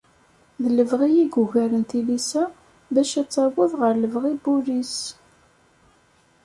D lebɣi i yugaren tilisa bac ad taweḍ ɣer lebɣi n wul-is.